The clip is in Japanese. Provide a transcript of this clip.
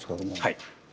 はい。